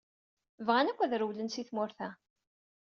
Bɣan akk ad rewlen si tmurt-a.